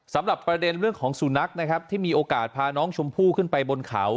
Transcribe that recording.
สำหรับประเด็นเรื่องของสุนัขนะครับที่มีโอกาสพาน้องชมพู่ขึ้นไปบนเขา